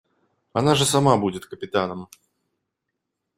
Она же сама будет капитаном.